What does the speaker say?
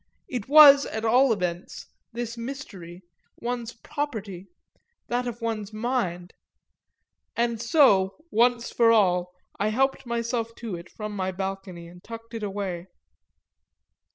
It was at all events, this mystery, one's property that of one's mind; and so, once for all, I helped myself to it from my balcony and tucked it away.